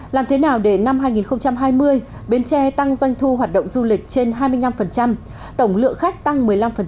làm thế nào để năm hai nghìn hai mươi bến tre tăng doanh thu hoạt động du lịch trên hai mươi năm tổng lượng khách tăng một mươi năm